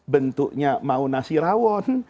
bentuknya mau nasi rawon